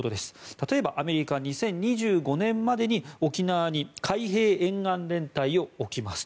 例えば、アメリカは２０２５年までに沖縄に海兵沿岸連隊を置きます。